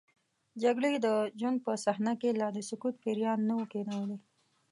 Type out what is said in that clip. جګړې د ژوند په صحنه کې لا د سکوت پیریان نه وو کینولي.